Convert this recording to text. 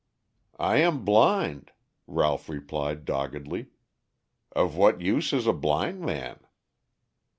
"I am blind," Ralph replied doggedly. "Of what use is a blind man?"